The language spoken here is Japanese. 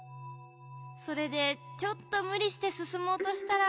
それでちょっとむりしてすすもうとしたら。